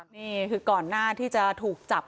นี่คือก่อนหน้าที่จะถูกจับ